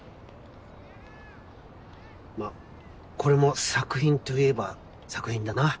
まこれも作品といえば作品だな。